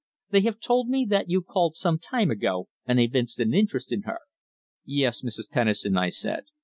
They have told me that you called some time ago and evinced an interest in her." "Yes, Mrs. Tennison," I said.